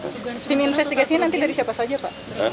sistem investigasinya nanti dari siapa saja pak